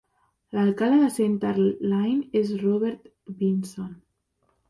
L'alcalde de Center Line és Robert Binson.